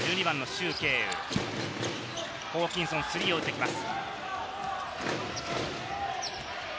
シュウ・ケイウ、ホーキンソン、スリーを打ってきます。